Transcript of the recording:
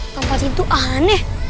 tempat itu aneh